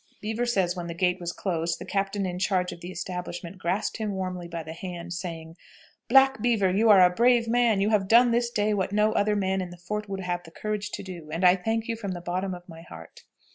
Beaver says when the gate was closed the captain in charge of the establishment grasped him warmly by the hand, saying, "Black Beaver, you are a brave man; you have done this day what no other man in the fort would have the courage to do, and I thank you from the bottom of my heart."